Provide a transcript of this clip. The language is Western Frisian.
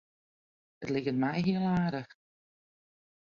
It liket my hiel aardich.